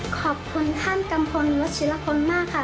ขอบคุณท่านกัมพลวัชิรพลมากค่ะ